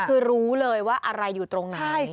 คือรู้เลยว่าอะไรอยู่ตรงไหน